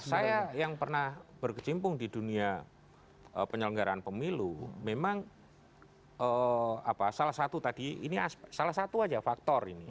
saya yang pernah berkecimpung di dunia penyelenggaraan pemilu memang salah satu tadi ini salah satu aja faktor ini